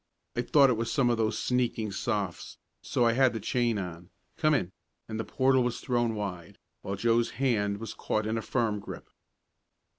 "I thought it was some of those sneaking Sophs., so I had the chain on. Come in!" and the portal was thrown wide, while Joe's hand was caught in a firm grip.